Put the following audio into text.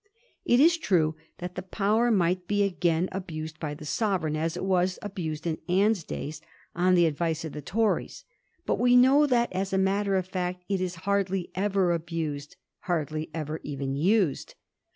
It is true that the power might be again abused by the Sovereign, as it was abused in Anne's days on the advice of the Tories ; but we know that, as a matter of feet, it is hardly ever abused — ^hardly ever even used.